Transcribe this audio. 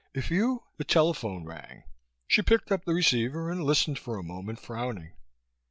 "If you...." The telephone rang. She picked up the receiver and listened for a moment, frowning.